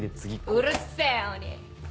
うるせぇ鬼！